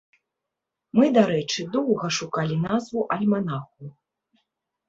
Мы, дарэчы, доўга шукалі назву альманаху.